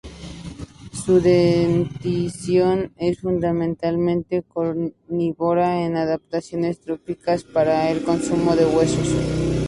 Su dentición es fundamentalmente carnívora, con adaptaciones tróficas para el consumo de huesos.